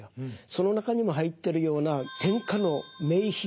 その中にも入ってるような天下の名品。